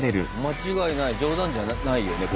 間違いない冗談じゃないよね